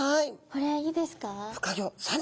これいいですか？